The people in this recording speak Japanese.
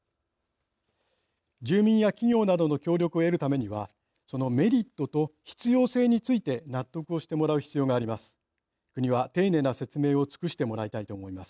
住民や企業などの協力を得るためにはそのメリットと必要性について納得をしてもらう必要があります。